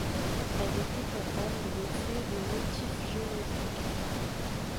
Elle était capable de créer des motifs géométriques.